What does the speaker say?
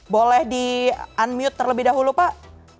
boleh di unmute terlebih dahulu pak